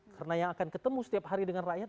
karena yang akan ketemu setiap hari dengan rakyat